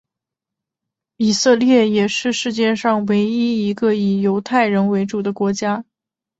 以色列也是世界上唯一一个以犹太人为主的国家。